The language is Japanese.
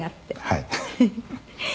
「はい。